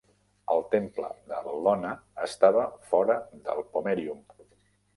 El Temple de Bel·lona estava fora del pomerium.